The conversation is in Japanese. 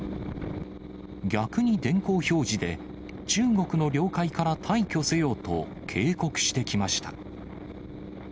逆に電光表示で、中国の領海から退去せよと、警告してきました。